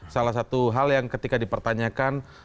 salah satu hal yang ketika dipertanyakan